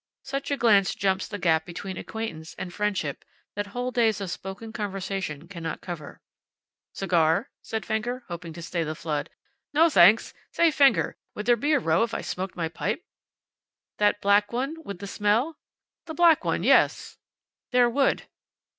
Such a glance jumps the gap between acquaintance and friendship that whole days of spoken conversation cannot cover. "Cigar?" asked Fenger, hoping to stay the flood. "No, thanks. Say, Fenger, would there be a row if I smoked my pipe?" "That black one? With the smell?" "The black one, yes." "There would."